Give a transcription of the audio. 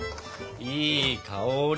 いい香り！